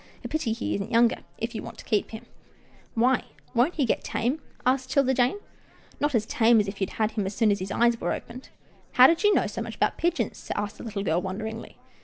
A pity he isn't younger, if you want to keep him/' "Why, won't he get tame?" asked 'Tilda Jane. " Not as tame as if you had him as soon as his eyes were opened." " How did you know so much about pigeons? " asked the little girl, wonderingly.